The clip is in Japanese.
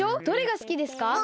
どれがすきですか？